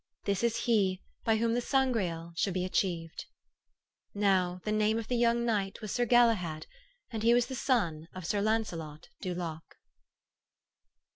This is he by whom the Sangreal shall be achieved. ..." Now, the name of the young knight was Sir Galahad, and he was the son of Sir Launcelot du Lac."